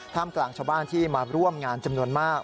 กลางชาวบ้านที่มาร่วมงานจำนวนมาก